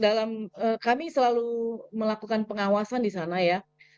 nah memang kami selalu melakukan pengawasan di sana ya